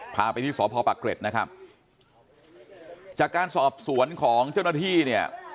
พาไปที่สพปะเกร็ดนะครับจากการสอบสวนของเจ้าหน้าที่เนี่ย